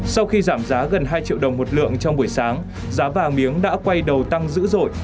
sau khi giảm giá gần hai triệu đồng một lượng trong buổi sáng giá vàng miếng đã quay đầu tăng dữ dội